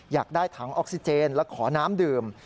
อยากได้ถังออกซิเจนและขอน้ำดื่ม